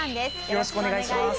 よろしくお願いします。